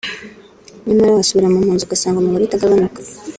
nyamara wasubira mu mpunzi ugasanga umubare utagabanuka